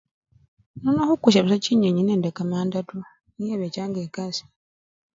Nono khukusya busa chinyenyi nekamanda tu niyo ebechanga ekasii.